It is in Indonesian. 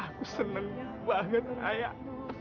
aku seneng banget ayah